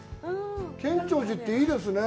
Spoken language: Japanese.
建長寺っていいですね。